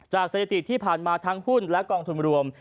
สถิติที่ผ่านมาทั้งหุ้นและกองทุนรวม